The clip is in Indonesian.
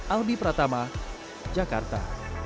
alby pratama jakarta